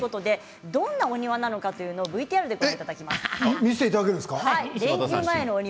どんなお庭なのかというのをＶＴＲでご紹介します。